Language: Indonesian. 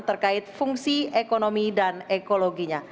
terkait fungsi ekonomi dan ekologinya